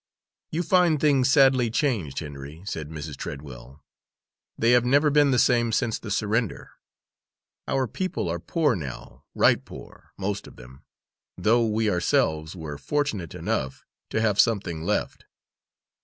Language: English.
"You find things sadly changed, Henry," said Mrs. Treadwell. "They have never been the same since the surrender. Our people are poor now, right poor, most of them, though we ourselves were fortunate enough to have something left."